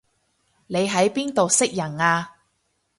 你喺邊度識人啊